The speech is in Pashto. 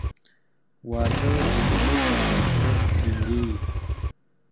• واده د مینې پر بنسټ ټینګېږي.